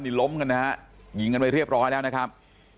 นี่ล้มกันนะฮะยิงกันไปเรียบร้อยแล้วนะครับ